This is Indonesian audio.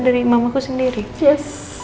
dari mamaku sendiri yes